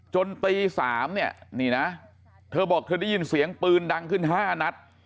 จนตี๓เนี่ยนี่นะเธอบอกเธอได้ยินเสียงปืนดังขึ้น๕นัด